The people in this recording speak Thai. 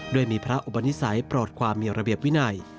ด้วยมีพระอุบันนิสัยปฎความมีระเบียบวินัย